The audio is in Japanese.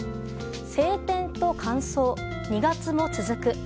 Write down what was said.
晴天と乾燥、２月も続く。